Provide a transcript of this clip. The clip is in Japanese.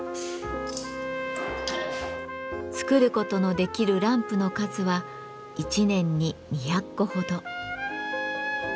作ることのできるランプの数は一年に２００個ほど。